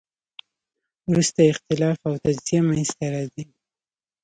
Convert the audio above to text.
وروسته اختلاف او تجزیه منځ ته راځي.